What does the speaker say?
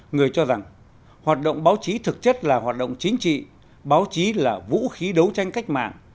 người cho rằng hoạt động báo chí thực chất là hoạt động chính trị báo chí là vũ khí đấu tranh cách mạng